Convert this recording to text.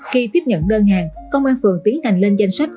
khi tiếp nhận đơn hàng công an phường tiến hành lên danh sách